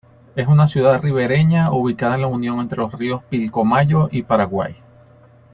Es una ciudad ribereña ubicada en la unión entre los ríos Pilcomayo y Paraguay.